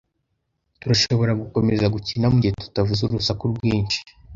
Turashobora gukomeza gukina, mugihe tutavuze urusaku rwinshi.